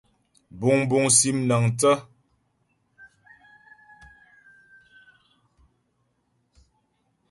Buŋbuŋ sim mnaəŋthə́.